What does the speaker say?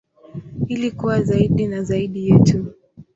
Ili kuwa zaidi na zaidi yetu.